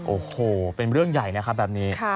โอ้โหเป็นเรื่องใหญ่แบบนี้